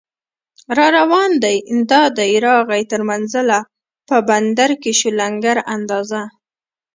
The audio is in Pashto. راروان دی دا دی راغی تر منزله، په بندر کې شو لنګر اندازه